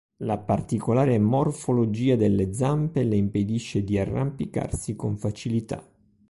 La particolare morfologia delle zampe le impedisce di arrampicarsi con facilità.